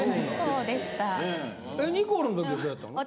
ニコルの時はどうやった？